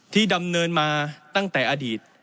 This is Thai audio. ดำเนินมาตั้งแต่อดีต